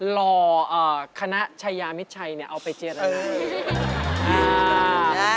รอคณะชายามิตชัยนี่เอาไปเจี๊ยวเถอะหล่ะ